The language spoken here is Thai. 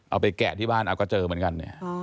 เอาไปแกะที่บ้านเอาก็เจอเหมือนกัน